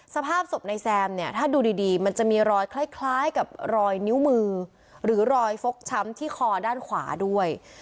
สภาพศพในแซมเนี่ยถ้าดูดีมันจะมีรอยคล้ายกับรอยนิ้วมือหรือรอยฟกช้ำที่คอด้านขวาด้วย